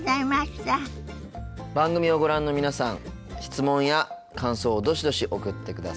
番組をご覧の皆さん質問や感想をどしどし送ってください。